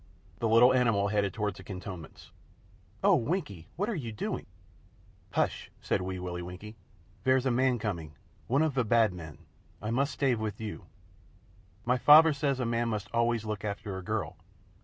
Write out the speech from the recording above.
The little animal headed toward the cantonments. "Oh, Winkie! What are you doing?" "Hush!" said Wee Willie Winkie. "Vere's a man coming one of ve Bad Men. I must stay wiv you. My faver says a man must always look after a girl.